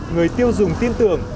người tiêu dùng tin tưởng